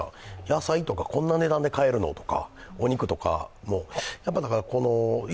野菜とかこんな値段で買えるの？とかお肉とかも。